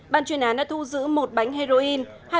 ban chuyên án đã thu giữ một bánh heroin